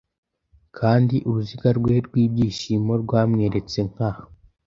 Kandi uruziga rwe rw'ibyishimo rwamweretse nka